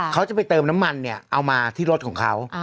เขาจะไปเติมน้ำมันเนี่ยเอามาที่รถของเขา